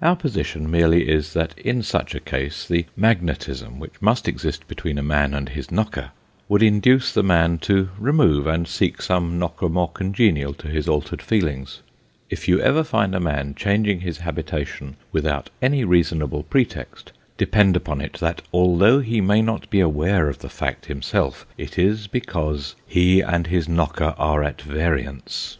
Our position merely is, that in such a case, the magnetism which must exist between a man and his knocker, would induce the man to remove, and seek some knocker more congenial to his altered feelings. If you ever find a man changing his habitation without any reasonable pretext, depend upon it, that, although he may not be aware of the fact himself, it is because he and his knocker are at variance.